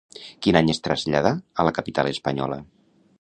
Quin any es traslladà a la capital espanyola?